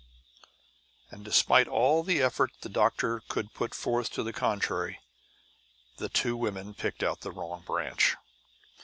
And despite all the effort the doctor could put forth to the contrary, the two women picked out the wrong branch.